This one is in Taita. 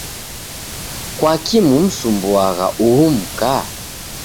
Kwaki mumsumbuagha uhu muka?